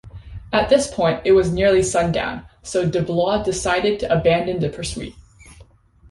At this point it was nearly sundown, so Deblois decided to abandon the pursuit.